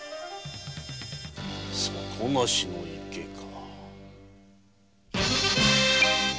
底なしの池か。